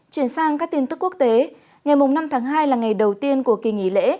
chuyển sang các tin tức quốc tế ngày năm tháng hai là ngày đầu tiên của kỳ nghỉ lễ